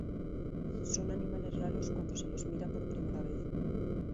Son animales raros cuando se los mira por primera vez.